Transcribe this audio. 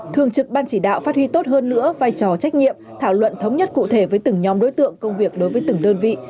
thường trực ban chỉ đạo phát huy tốt hơn nữa vai trò trách nhiệm thảo luận thống nhất cụ thể với từng nhóm đối tượng công việc đối với từng đơn vị